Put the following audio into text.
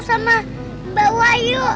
sama mbak wahyu